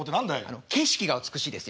あの景色が美しいですよ。